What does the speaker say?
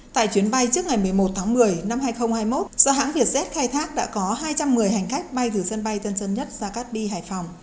tại chuyến bay trước ngày một mươi một tháng một mươi năm hai nghìn hai mươi một do hãng vietjet khai thác đã có hai trăm một mươi hành khách bay từ sân bay tân sân nhất ra cát đi hải phòng